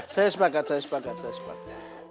saya sepakat saya sepakat saya sepakat